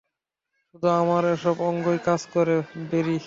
শুধু আমার এসব অঙ্গই কাজ করে, ব্যারি।